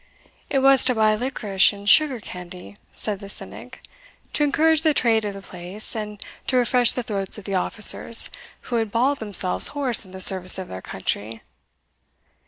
"It was to buy liquorice and sugar candy," said the cynic, "to encourage the trade of the place, and to refresh the throats of the officers who had bawled themselves hoarse in the service of their country."